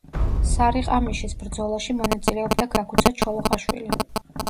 სარიყამიშის ბრძოლაში მონაწილეობდა ქაქუცა ჩოლოყაშვილი.